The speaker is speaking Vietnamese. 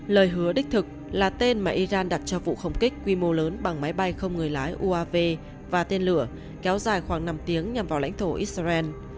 lời hứa đích thực là tên mà iran đặt cho vụ không kích quy mô lớn bằng máy bay không người lái uav và tên lửa kéo dài khoảng năm tiếng nhằm vào lãnh thổ israel